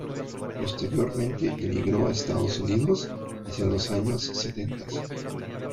Posteriormente inmigró a Estados Unidos hacia los años setentas.